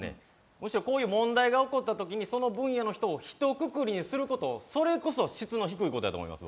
むしろこういう問題が起こった時にその分野の人をひとくくりにすることそれこそ質の低いことやと思います